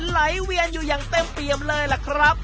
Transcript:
ไหลเวียนอยู่อย่างเต็มเปี่ยมเลยล่ะครับ